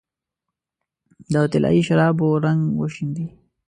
د طلايي شرابو رنګ وشیندې